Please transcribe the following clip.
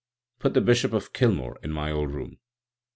Put the Bishop of Kilmore in my old room."